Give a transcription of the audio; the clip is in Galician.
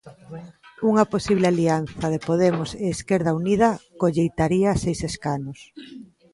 Unha posible alianza de Podemos e Esquerda Unida colleitaría seis escanos.